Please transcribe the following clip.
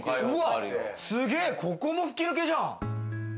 ここも吹き抜けじゃん。